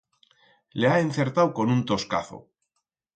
Le ha encertau con un toscazo.